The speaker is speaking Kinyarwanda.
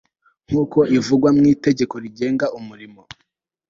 nk uko ivugwa mu itegeko rigenga umurimo